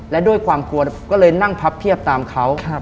และด้วยความกลัวก็เลยนั่งพับเพียบตามเขา